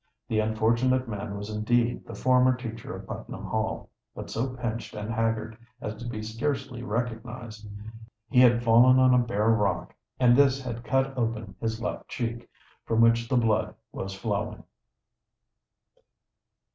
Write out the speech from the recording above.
The unfortunate man was indeed the former teacher of Putnam Hall, but so pinched and haggard as to be scarcely recognized. He had fallen on a bare rock, and this had cut open his left cheek, from which the blood was flowing.